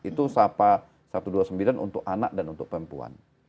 itu sapa satu ratus dua puluh sembilan untuk anak dan untuk perempuan